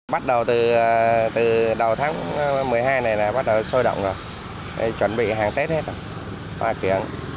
bắt đầu từ đầu tháng một mươi hai này là bắt đầu sôi động rồi chuẩn bị hàng tết hết rồi